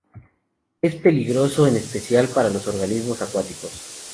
Es peligroso en especial para los organismos acuáticos.